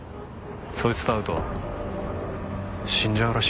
そいつと会うと死んじゃうらしい。